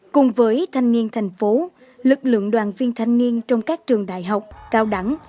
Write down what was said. cùng với thanh niên thành phố lực lượng đoàn viên thanh niên trong các trường đại học cao đẳng